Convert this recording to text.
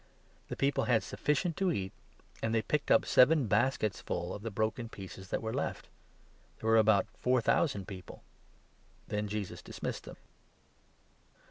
The people had sufficient 8 to eat, and they picked up seven baskets full of the broken pieces that were left. There were about four thousand people. 9 Then Jesus dismissed them.